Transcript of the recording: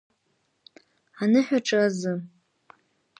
Аныҳәаҿа азы…